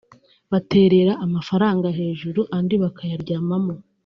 baterera amafaranga hejuru andi bakayaryamamo